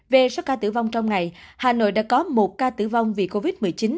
về số ca tử vong trong ngày hà nội đã có một ca tử vong vì covid một mươi chín